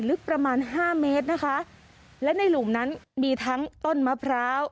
ลึกประมาณห้าเมตรนะคะและในหลุมนั้นมีทั้งต้นมะพร้าว